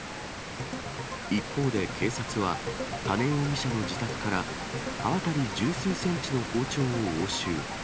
一方で警察は、多禰容疑者の自宅から刃渡り十数センチの包丁を押収。